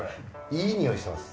いい匂いしてます。